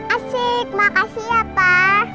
asyik makasih ya pak